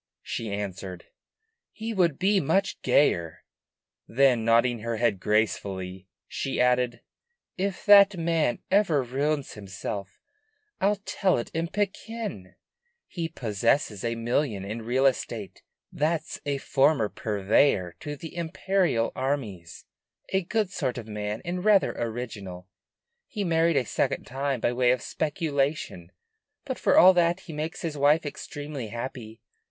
she answered, "he would be much gayer." Then, nodding her head gracefully, she added, "If that man ever ruins himself I'll tell it in Pekin! He possesses a million in real estate. That's a former purveyor to the imperial armies; a good sort of man, and rather original. He married a second time by way of speculation; but for all that he makes his wife extremely happy.